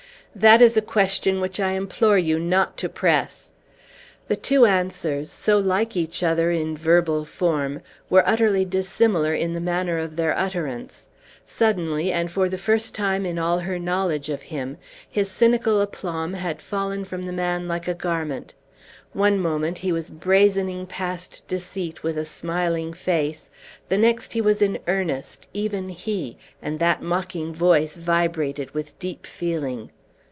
"That is a question which I implore you not to press!" The two answers, so like each other in verbal form, were utterly dissimilar in the manner of their utterance. Suddenly, and for the first time in all her knowledge of him, his cynical aplomb had fallen from the man like a garment. One moment he was brazening past deceit with a smiling face; the next, he was in earnest, even he, and that mocking voice vibrated with deep feeling.